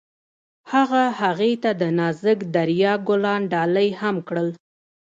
هغه هغې ته د نازک دریا ګلان ډالۍ هم کړل.